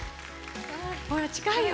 ほら近いよ。